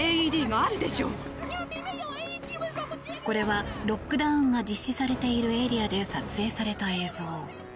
これはロックダウンが実施されているエリアで撮影された映像。